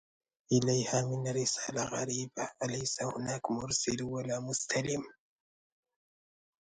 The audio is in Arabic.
يالها من رسالة غريبة! ليس هناك مرسل ولا مستلم.